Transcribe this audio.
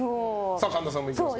神田さんもいきますか。